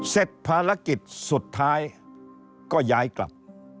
เสร็จภารกิจสุดท้ายก็ย้ายกลับ